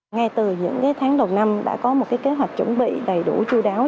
ngay từ những tháng đầu năm đã có một kế hoạch chuẩn bị đầy đủ chú đáo